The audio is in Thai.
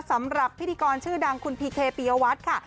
สำหรับพิธีกรชื่อดังคุณพีเคปียวัตรค่ะ